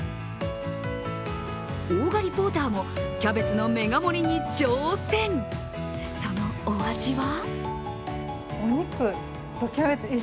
大鋸リポーターもキャベツのメガ盛りに挑戦、そのお味は？